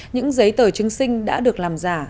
những giấy tờ chứng sinh đã được làm giả